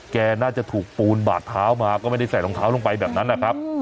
น่าจะถูกปูนบาดเท้ามาก็ไม่ได้ใส่รองเท้าลงไปแบบนั้นนะครับ